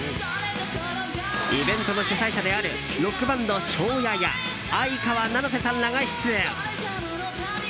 イベントの主催者であるロックバンドＳＨＯＷ‐ＹＡや相川七瀬さんらが出演。